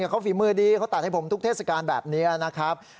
เขาฝีมือดีเขาตัดให้ผมทุกเทศกาลแบบนี้นะครับ